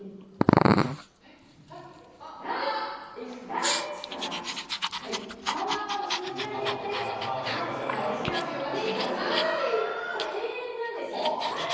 大地からパワーを吸い上げてヨガで言う永遠なんです、これ。